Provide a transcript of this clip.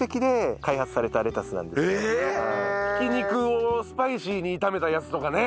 ひき肉をスパイシーに炒めたやつとかね。